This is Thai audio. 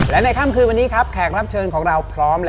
และในค่ำคืนวันนี้ครับแขกรับเชิญของเราพร้อมแล้ว